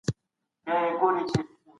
اووه لسیان؛ اویا کېږي.